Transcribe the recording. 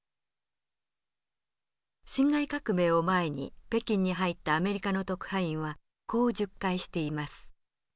辛亥革命を前に北京に入ったアメリカの特派員はこう述懐しています。